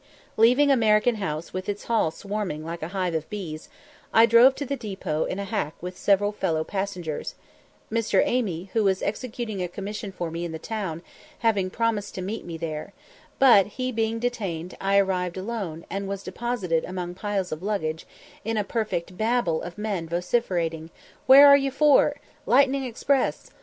Leaving American House with its hall swarming like a hive of bees, I drove to the depôt in a hack with several fellow passengers, Mr. Amy, who was executing a commission for me in the town, having promised to meet me there, but, he being detained, I arrived alone, and was deposited among piles of luggage, in a perfect Babel of men vociferating, "Where are you for?" "Lightning Express!"